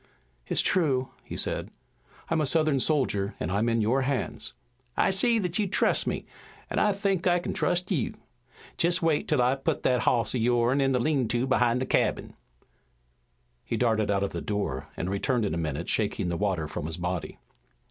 "It's true," he said. "I'm a Southern soldier, and I'm in your hands." "I see that you trust me, an' I think I kin trust you. Jest you wait 'til I put that hoss o' yourn in the lean to behind the cabin." He darted out of the door and returned in a minute shaking the water from his body.